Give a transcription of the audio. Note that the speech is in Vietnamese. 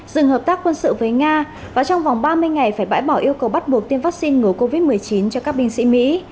dừng hợp tác quân sự với nga và trong vòng ba mươi ngày phải bãi bỏ yêu cầu bắt buộc tiêm vaccine ngừa covid một mươi chín cho các binh sĩ mỹ